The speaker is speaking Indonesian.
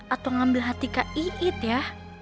atau ngambil hati kak iit ya